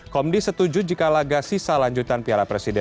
komdis setuju jika laga sisa lanjutan piara presiden